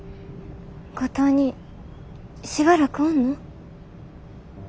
五島にしばらくおんの？